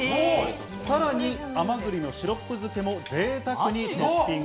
さらに、甘栗のシロップ漬けもぜいたくにトッピング。